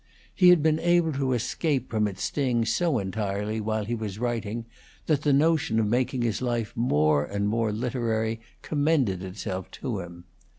He had been able to escape from its sting so entirely while he was writing that the notion of making his life more and more literary commended itself to him.